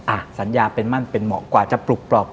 สัญญาเป็นมั่นเป็นเหมาะกว่าจะปลุกปลอก